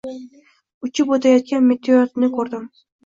Uchib oʻtayotgan meteoritni ko'rdim